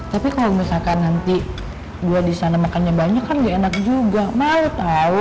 tapi kalo misalkan nanti gue disana makannya banyak kan ga enak juga mau tau